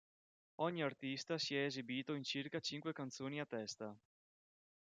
Ogni artista si è esibito in circa cinque canzoni a testa.